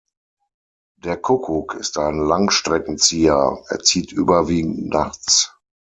Der Kuckuck ist ein Langstreckenzieher, er zieht überwiegend nachts.